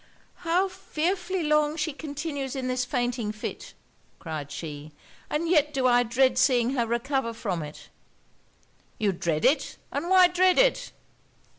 'How fearfully long she continues in this fainting fit,' cried she, 'and yet do I dread seeing her recover from it.' 'You dread it! and why dread it?'